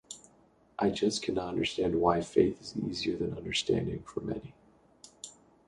I just cannot understand why faith is easier than understanding for many.